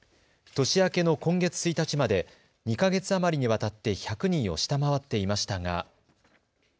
年明けの今月１日まで２か月余りにわたって１００人を下回っていましたが。